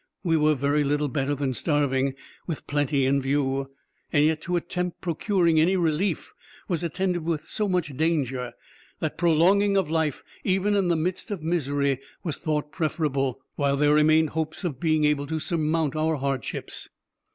We were very little better than starving, with plenty in view; yet to attempt procuring any relief was attended with so much danger, that prolonging of life, even in the midst of misery, was thought preferable, while there remained hopes of being able to surmount our hardships.